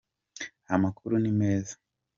Amakuru ni meza.